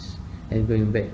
jika anda ingin kembali